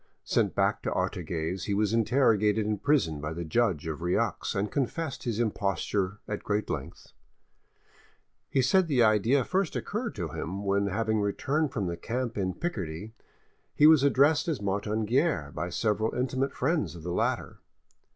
Sent back to Artigues, he was interrogated in prison by the judge of Rieux, and confessed his imposture at great length. He said the idea first occurred to him when, having returned from the camp in Picardy, he was addressed as Martin Guerre by several intimate friends of the latter.